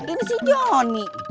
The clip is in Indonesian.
ini si johnny